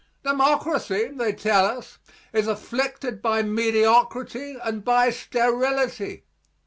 Democracy, they tell us, is afflicted by mediocrity and by sterility.